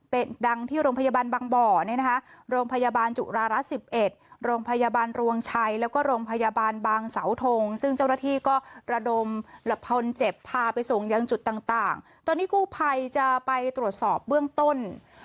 ไปส่งยังจุดต่างตอนนี้กูภัยจะไปตรวจสอบเบื้องต้น